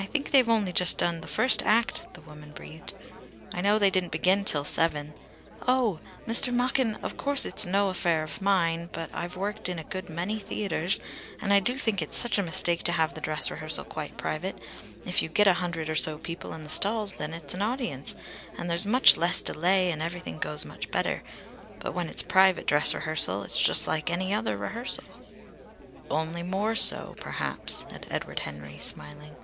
"I think they've only just done the first act," the woman breathed. "I know they didn't begin till seven. Oh! Mr. Machin, of course it's no affair of mine, but I've worked in a good many theatres, and I do think it's such a mistake to have the dress rehearsal quite private. If you get a hundred or so people in the stalls, then it's an audience, and there's much less delay and everything goes much better. But when it's private a dress rehearsal is just like any other rehearsal." "Only more so, perhaps," said Edward Henry, smiling.